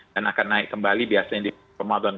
dan akan naik kembali biasanya di ramadan